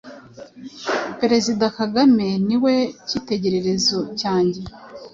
Perezida Kagame niwe cyitegererezo cyanjye